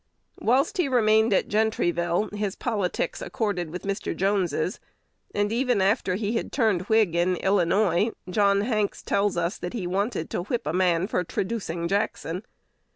Whilst he remained at Gentryville, his politics accorded with Mr. Jones's; and, even after he had turned Whig in Illinois, John Hanks tells us that he wanted to whip a man for traducing Jackson.